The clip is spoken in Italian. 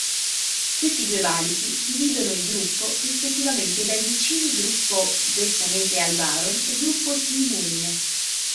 Questi due valichi dividono il gruppo rispettivamente dai vicini gruppo Bessanese-Albaron e gruppo Sea-Mulinet.